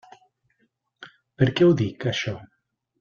Per què ho dic, això?